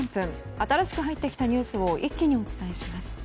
新しく入ってきたニュースを一気にお伝えします。